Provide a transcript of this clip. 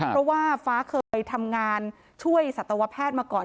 เพราะว่าฟ้าเคยทำงานช่วยสัตวแพทย์มาก่อน